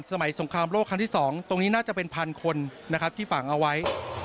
สงครามโลกครั้งที่๒ตรงนี้น่าจะเป็นพันคนนะครับที่ฝังเอาไว้